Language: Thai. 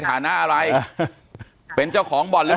ปากกับภาคภูมิ